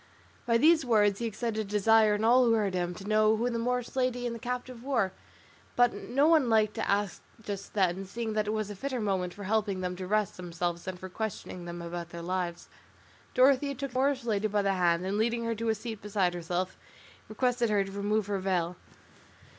By these words he excited a desire in all who heard him, to know who the Moorish lady and the captive were, but no one liked to ask just then, seeing that it was a fitter moment for helping them to rest themselves than for questioning them about their lives. Dorothea took the Moorish lady by the hand and leading her to a seat beside herself, requested her to remove her veil.